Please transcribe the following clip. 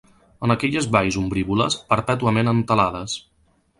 En aquelles valls ombrívoles, perpètuament entelades